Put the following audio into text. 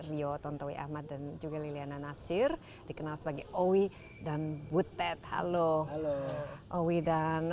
rio tontowi ahmad dan juga liliana natsir dikenal sebagai owi dan butet halo owi dan